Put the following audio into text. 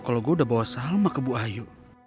kalo gua udah bawa salma ke bu ayu